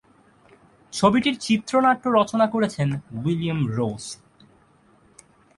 ছবিটির চিত্রনাট্য রচনা করেছেন উইলিয়াম রোজ।